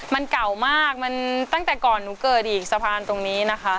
มันเก่ามากมันตั้งแต่ก่อนหนูเกิดอีกสะพานตรงนี้นะคะ